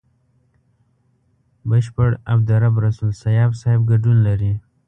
بشپړ عبدالرب رسول سياف صاحب ګډون لري.